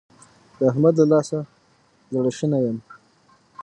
د احمد له لاسه زړه شنی يم.